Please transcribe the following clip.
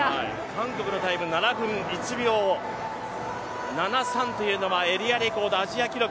韓国の７分１秒７３というのはエリアレコード、アジア記録。